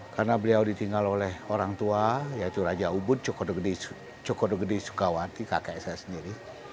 karena beliau ditinggal oleh orang tua yaitu raja ubud cokorda gede sukawati kakek saya sendiri